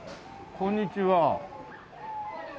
こんにちは。